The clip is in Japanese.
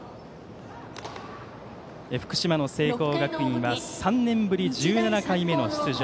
福島の聖光学院は３年ぶり１７回目の出場。